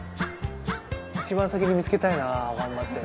一番先に見つけたいな頑張って。